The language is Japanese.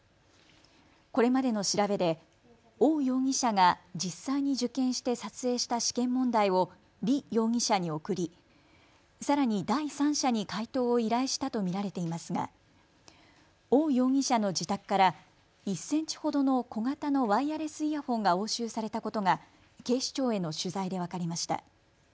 これまでの調べで王容疑者が実際に受験して撮影した試験問題を李容疑者に送りさらに第三者に解答を依頼したと見られていますが王容疑者の自宅から１センチほどの小型のワイヤレスイヤホンが押収されたことが警視庁への取材で分かりました。